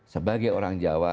sebagai orang jawa